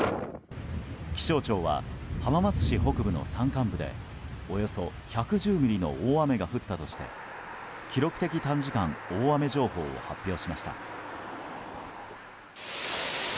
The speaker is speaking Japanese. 気象庁は浜松市北部の山間部でおよそ１１０ミリの大雨が降ったとして記録的短時間大雨情報を発表しました。